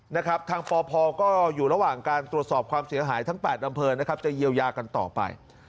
นะครับทางปพก็อยู่ระหว่างการตรวจสอบความเสียหายทั้ง๘อำเภอนะครับจะเยียวยากันต่อไป